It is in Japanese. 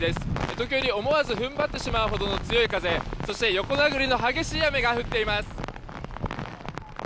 時折、思わず踏ん張ってしまうほどの強い風そして横殴りの激しい雨が降っています。